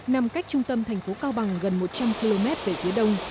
nằm cách trung tâm thành phố cao bằng gần một trăm linh km về phía đông